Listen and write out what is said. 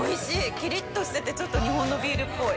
きりっとしてて、ちょっと日本のビールっぽい。